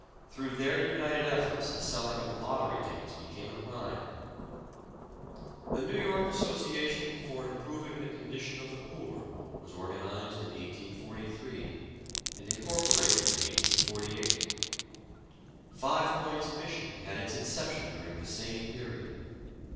Through their united efforts, the selling of lot tery tickets became a crime. The New York Association for Improving the Condi tion of the Poor was organized in 1843, and incorpo rated in 1848. Five Points Mission had its inception during the same period.